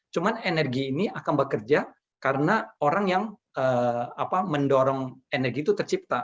cuma energi ini akan bekerja karena orang yang mendorong energi itu tercipta